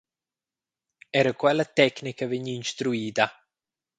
Era quella tecnica vegn instruida.